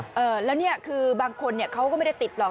เออแล้วเนี่ยคือบางคนเนี่ยเขาก็ไม่ได้ติดหรอก